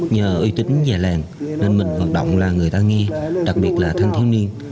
nhờ uy tín về làng nên mình vận động là người ta nghe đặc biệt là thanh thiếu niên